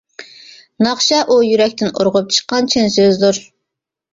ناخشا ئۇ يۈرەكتىن ئۇرغۇپ چىققان چىن سۆزدۇر.